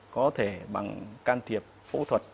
có thể bằng can thiệp phẫu thuật